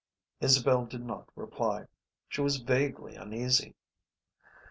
Isabel did not reply. She was vaguely uneasy.